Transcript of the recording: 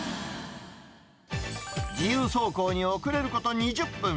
自由走行に遅れること２０分。